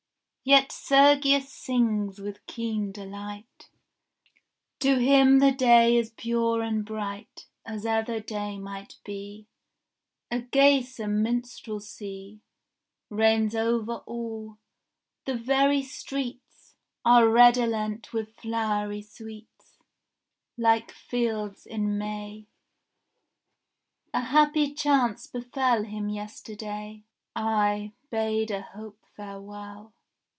Yet Sergius sings with keen dehght; To him the day is pure and bright As ever day might be; A gaysome minstrelsy Reigns over all; the very streets Are redolent with flowery sweets, Like fields in May. A happy chance befell Him yesterday; I bade a hope farewell.